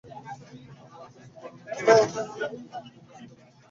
আমার কাছে মনে হয়েছে, ওডিসি, ইনিড কিংবা সিন্দাবাদের সমুদ্রভ্রমণ দ্বৈতাদ্বৈতের টঙ্কার তোলে।